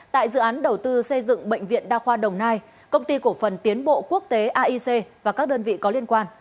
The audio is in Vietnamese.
tại dự án đầu tư xây dựng bệnh viện đa khoa đồng nai công ty cổ phần tiến bộ quốc tế aic và các đơn vị có liên quan